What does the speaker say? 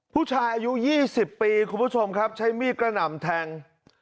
ผู้ชายอายุ๒๐ปีคุณผู้ชมครับใช้มีดกระหน่ำแทง